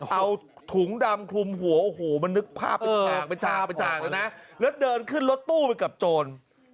เอาถุงดำทุ่มหัวหูมานึกภาพไปจ่างแล้วเดินขึ้นรถตู้ไปกับโจร